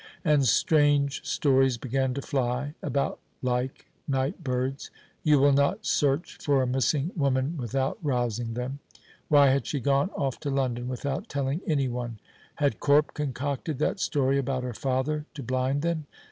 And strange stories began to fly about like night birds; you will not search for a missing woman without rousing them. Why had she gone off to London without telling anyone? Had Corp concocted that story about her father to blind them?